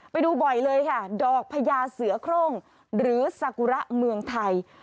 ไปดูบ่อยเลยค่ะดอกพญาเสือโครงหรือสากุระเมืองไทย